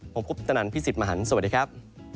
ผมคุปตนันพี่สิทธิ์มหันฯสวัสดีครับ